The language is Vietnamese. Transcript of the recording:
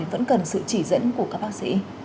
vẫn cần sự chỉ dẫn của các bác sĩ